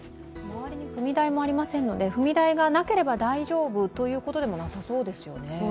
周りに踏み台もありませんので踏み台がなければ大丈夫ということでもなさそうですよね。